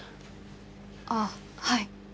ああはい。